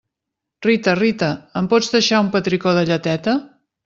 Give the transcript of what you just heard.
Rita, Rita, em pots deixar un petricó de lleteta?